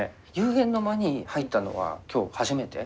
幽玄の間に入ったのは今日初めて？